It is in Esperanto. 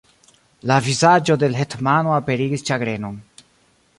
La vizaĝo de l' hetmano aperigis ĉagrenon.